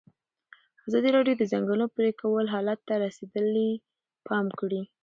ازادي راډیو د د ځنګلونو پرېکول حالت ته رسېدلي پام کړی.